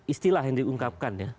istilah yang diungkapkan